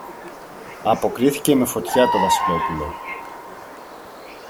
αποκρίθηκε με φωτιά το Βασιλόπουλο.